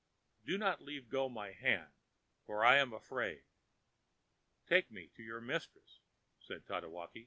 Do not leave go my hand, for I am afraid. Take me to your mistress,ã said Tatewaki.